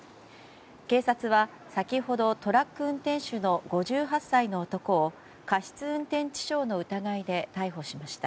警察は先ほどトラック運転手の５８歳の男を過失運転致傷の疑いで逮捕しました。